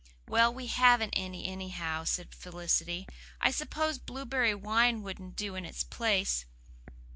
"Well, we haven't any, anyhow," said Felicity. "I suppose blueberry wine wouldn't do in its place?"